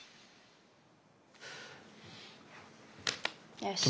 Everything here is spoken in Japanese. よし。